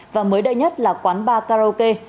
và mới đây nhất là quán bar karaoke